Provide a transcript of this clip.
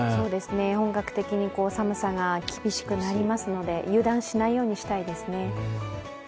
本格的に寒さが厳しくなりますので油断しないようにしたいですね。